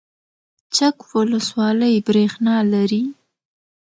چک ولسوالۍ بریښنا لري؟